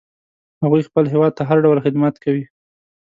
هغوی خپل هیواد ته هر ډول خدمت کوي